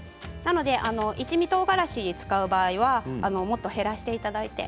一味とうがらしを使う場合はもっと減らしていただいて。